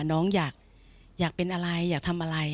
น้องอยากเป็นอะไรอยากทำอะไร